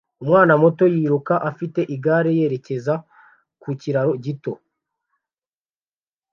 Umwana muto yiruka afite igare yerekeza ku kiraro gito